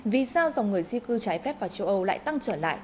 vì sao dòng người di cư trái phép vào châu âu lại tăng trở lại